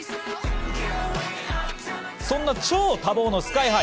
そんな超多忙のＳＫＹ−ＨＩ。